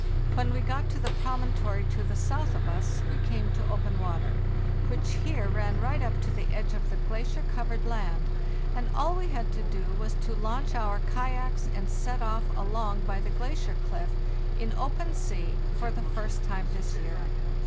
When we got to the promontory to the south of us we came to open water, which here ran right up to the edge of the glacier covered land; and all we had to do was to launch our kayaks and set off along by the glacier cliff, in open sea for the first time this year.